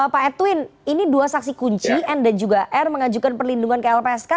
pak edwin ini dua saksi kunci n dan juga r mengajukan perlindungan ke lpsk